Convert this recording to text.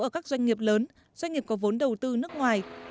ở các doanh nghiệp lớn doanh nghiệp có vốn đầu tư nước ngoài